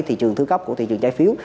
thị trường sơ cấp của thị trường trái phiếu